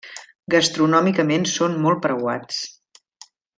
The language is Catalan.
Gastronòmicament són molt preuats.